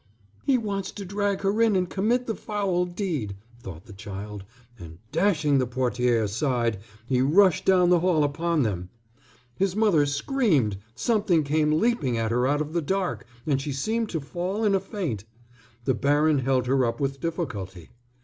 "He wants to drag her in and commit the foul deed," though the child, and dashing the portière aside he rushed down the hall upon them. His mother screamed; something came leaping at her out of the dark, and she seemed to fall in a faint. The baron held her up with difficulty.